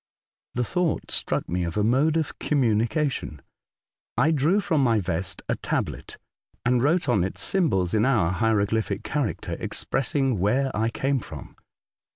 The thought struck me of a mode of com munication. I drew from my vest a tablet, and wrote on it symbols in our hieroglyphic character expressing where I came from.